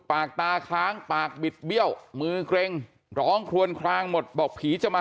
ปากตาค้างปากบิดเบี้ยวมือเกร็งร้องคลวนคลางหมดบอกผีจะมา